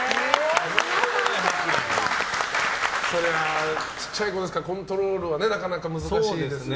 そりゃ、小さい子ですからコントロールはなかなか難しいですしね。